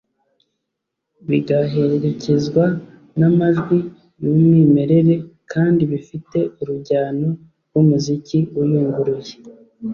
bigaherekezwa n’amajwi y’umwimerere kandi bifite urujyano rw’umuziki uyunguruye